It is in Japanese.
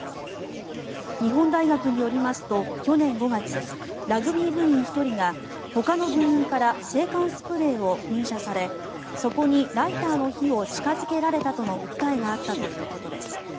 日本大学によりますと去年５月、ラグビー部員１人がほかの部員から制汗スプレーを噴射されそこにライターの火を近付けられたとの被害を訴えがあったということです。